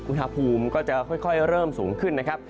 อุณหภูมิก็จะค่อยเริ่มสูงขึ้นนะครับ